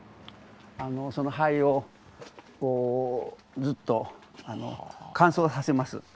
その灰をずっと乾燥させます。